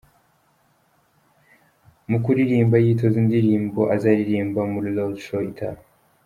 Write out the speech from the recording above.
Mu kuririmba, yitoza indirimbo azaririmba muri Roadshow itaha.